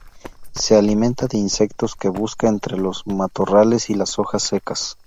Se alimenta de insectos, que busca entre los matorrales y las hojas secas.